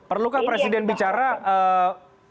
perlukah presiden bicara mbak wiwi